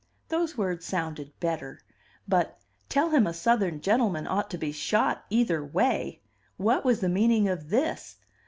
Those words sounded better. But "tell him a Southern gentleman ought to be shot either way." What was the meaning of this?